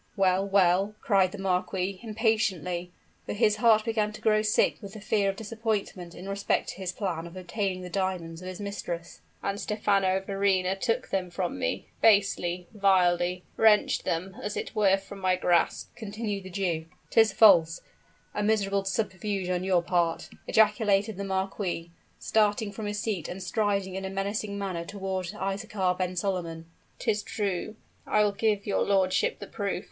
"Well, well?" cried the marquis, impatiently; for his heart began to grow sick with the fear of disappointment in respect to his plan of obtaining the diamonds of his mistress. "And Stephano Verrina took them from me basely, vilely, wrenched them as it were from my grasp!" continued the Jew. "'Tis false! a miserable subterfuge on your part!" ejaculated the marquis, starting from his seat and striding in a menacing manner toward Isaachar ben Solomon. "'Tis true! I will give your lordship the proof!"